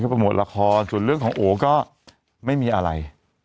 โปรโมทละครส่วนเรื่องของโอก็ไม่มีอะไร